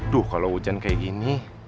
duh kalau hujan kayak gini